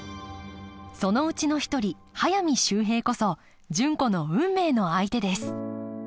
そのうちの一人速水秀平こそ純子の運命の相手です